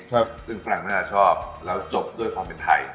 ซึ่งฝรั่งน่าชอบแล้วจบด้วยความเป็นไทย